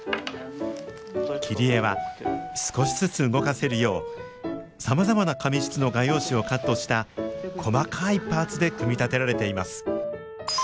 切り絵は少しずつ動かせるようさまざまな紙質の画用紙をカットした細かいパーツで組み立てられています。